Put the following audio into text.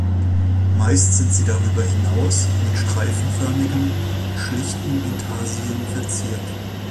Meist sind sie darüber hinaus mit streifenförmigen, schlichten Intarsien verziert.